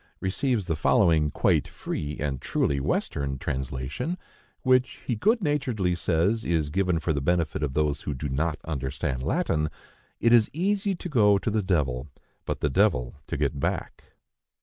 receives the following quite free and truly Western translation, which, he good naturedly says, is given for the benefit of those who do not understand Latin,—"It is easy to go to the devil, but the devil to get back."